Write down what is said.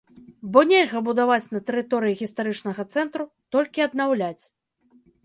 Бо нельга будаваць на тэрыторыі гістарычнага цэнтру, толькі аднаўляць.